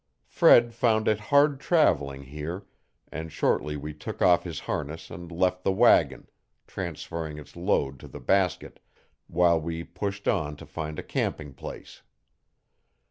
Fred found it hard travelling here and shortly we took off his harness and left the wagon, transferring its load to the basket, while we pushed on to find a camping place.